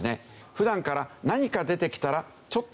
普段から何か出てきたらちょっと待てよと。